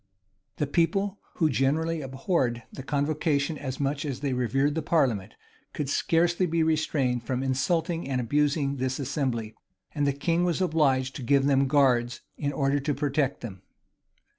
The people, who generally abhorred the convocation as much as they revered the parliament, could scarcely be restrained from insulting and abusing this assembly; and the king was obliged to give them guards, in order to protect them.